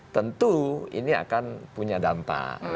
tentu ini akan punya dampak